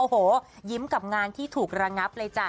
โอ้โหยิ้มกับงานที่ถูกระงับเลยจ้ะ